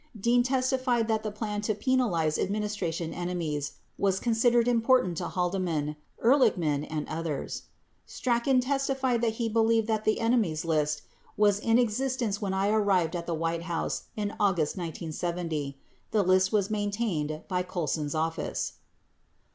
50 Dean testified that the plan to penalize administration enemies was considered important to Haldeman, Ehrlichman, and others. 51 Strachan testified that he believed that the Enemies List "was in exist ence when I arrived at the White House in [August 1970] ... [T]he list was maintained by Colson's office